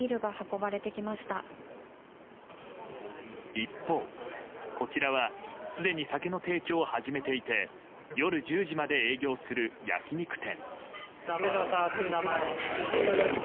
一方、こちらはすでに酒の提供を始めていて夜１０時まで営業する焼き肉店。